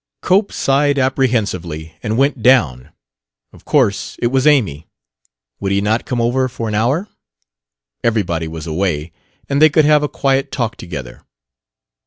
Cope sighed apprehensively and went down. Of course it was Amy. Would he not come over for an hour? Everybody was away, and they could have a quiet talk together.